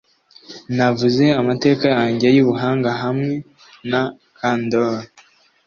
navuze amateka yanjye yubuhanga hamwe na candor